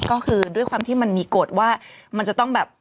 ก็คือด้วยความที่มันมีกฎว่ามันจะต้องแบบ